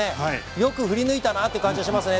よく振りぬいたなって感じしますね。